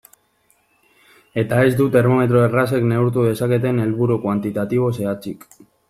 Eta ez du termometro errazek neurtu dezaketen helburu kuantitatibo zehatzik.